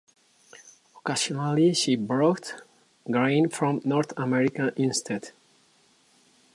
Occasionally she brought grain from North America instead.